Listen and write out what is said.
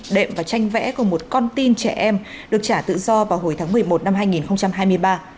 đệm và tranh vẽ của một con tin trẻ em được trả tự do vào hồi tháng một mươi một năm hai nghìn hai mươi ba